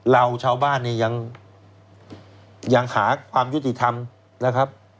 เราชาวบ้านเนี่ยยังหาความยุติธรรมนะครับ